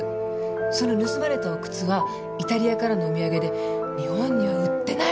その盗まれたお靴はイタリアからのお土産で日本には売ってないものらしいの。